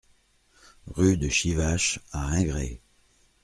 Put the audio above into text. Rue de Chivache à Ingré